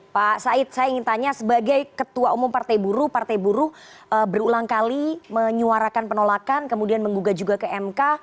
pak said saya ingin tanya sebagai ketua umum partai buruh partai buruh berulang kali menyuarakan penolakan kemudian menggugah juga ke mk